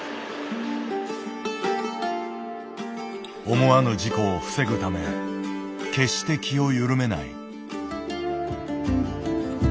思わぬ事故を防ぐため決して気を緩めない。